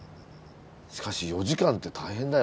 しかし４時間って大変だよ